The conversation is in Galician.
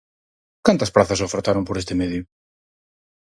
¿Cantas prazas ofertaron por este medio?